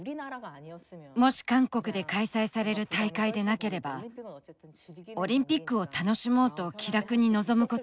もし韓国で開催される大会でなければオリンピックを楽しもうと気楽に臨むことができたと思う。